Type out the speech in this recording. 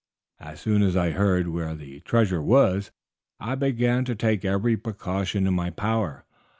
As soon as I heard where the treasure was I began to take every precaution in my power.